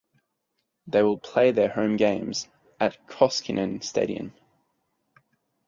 They will play their home games at Koskinen Stadium.